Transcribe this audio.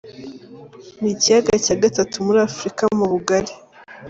Ni ikiyaga cya gatatu muri Afurika mu bugari.